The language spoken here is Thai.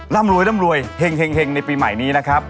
ร่ำรวยร่ำรวยเฮ็งในปีใหม่นี้นะครับ